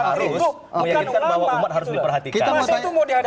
harus meyakinkan bahwa umat harus diperhatikan